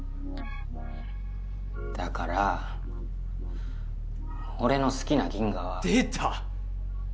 だから俺の好きなギンガは出た！